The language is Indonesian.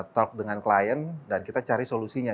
talk dengan klien dan kita cari solusinya